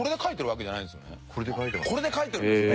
これで描いてるんですか！？